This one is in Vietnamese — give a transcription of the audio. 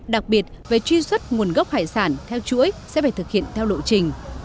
đặc biệt về truy xuất nguồn gốc hải sản theo chuỗi sẽ phải thực hiện theo lộ trình